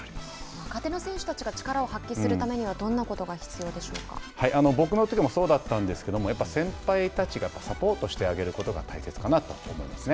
若手の選手たちが力を発揮するためには僕のときもそうだったんですけど先輩たちがサポートしてあげることが大切かなと思いますね。